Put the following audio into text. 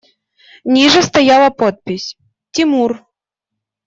Ниже стояла подпись: «Тимур».